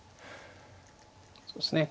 そうですね